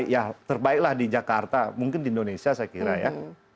ya terbaiklah di jakarta mungkin di indonesia saya kira ya